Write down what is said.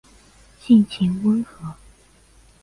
性情温和。